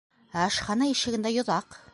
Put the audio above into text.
Ә ашхана ишегендә йоҙаҡ!